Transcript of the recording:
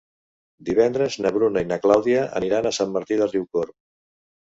Divendres na Bruna i na Clàudia aniran a Sant Martí de Riucorb.